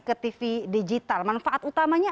ke tv digital manfaat utamanya